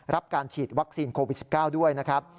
รับการฉีดวัคซีนโควิด๑๙ด้วยนะครับ